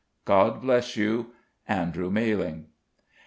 God bless you. "ANDREW MALLING."